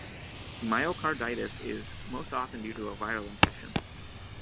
Myocarditis is most often due to a viral infection.